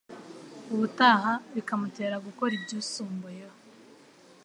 Ubutaha bikamutera gukora ibyisumbuyeho.